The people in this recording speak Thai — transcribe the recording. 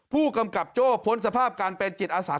ผู้กำกับโจ้พ้นสภาพการเป็นจิตอาสา